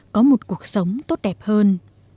có một cuộc sống tốt đẹp hơn